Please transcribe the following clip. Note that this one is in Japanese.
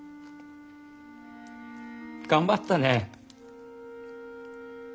頑張ったね。